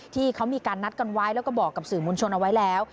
ที่เขามีการนัดกันไว้แล้วก็บอกกับสื่อมวลชนเอาไว้แล้ว